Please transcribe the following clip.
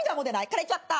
枯れちゃった。